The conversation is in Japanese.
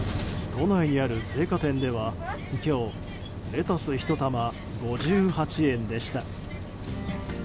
都内にある青果店では今日レタス１玉５８円でした。